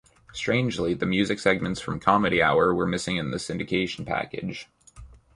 Strangely, the music segments from "Comedy Hour" were missing in this syndication package.